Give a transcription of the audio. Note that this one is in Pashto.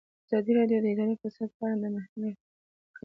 ازادي راډیو د اداري فساد په اړه د محلي خلکو غږ خپور کړی.